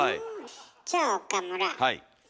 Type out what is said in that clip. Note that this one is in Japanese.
じゃあ岡村。